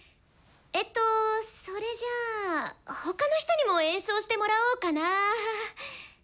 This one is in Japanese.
えっとそれじゃあ他の人にも演奏してもらおうかな。